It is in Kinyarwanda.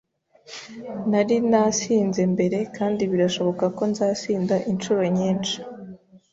Nari nasinze mbere kandi birashoboka ko nzasinda inshuro nyinshi